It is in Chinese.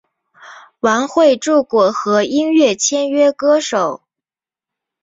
王汇筑果核音乐签约歌手。